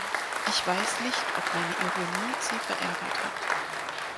Ich weiß nicht, ob meine Ironie Sie verärgert hat.